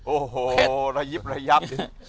โอ้โหระยิบระยับสิ